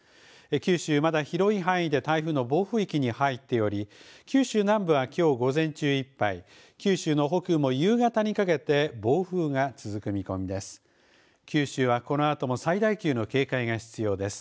九州、まだ広い範囲で台風の暴風域に入っており、九州南部はきょう午前中いっぱい、九州の北部も夕方にかけて暴風が続く見込みです。